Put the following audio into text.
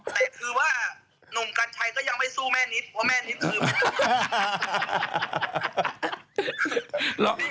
แต่คือว่าหนุ่มกัญชัยก็ยังไม่สู้แม่นิดเพราะแม่นิดคือไม่ได้